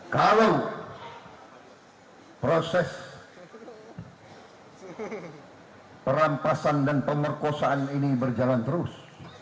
kalau proses perampasan dan pemerkosaan ini berjalan terus